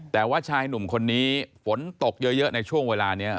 แต่ว่าชายหนุ่มคนนี้ฝนตกเยอะในช่วงเวลานี้